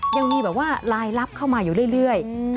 ยังมีรายลับเข้ามาอยู่เรื่อย